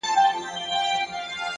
هر منزل د ارادې ازموینه ده؛